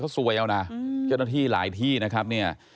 ซวยเอานะเจ้าหน้าที่หลายที่นะครับเนี่ย